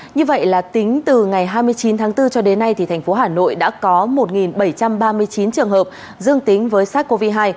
như vậy là tính từ ngày hai mươi chín tháng bốn cho đến nay thành phố hà nội đã có một bảy trăm ba mươi chín trường hợp dương tính với sars cov hai